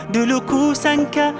dulu ku sangka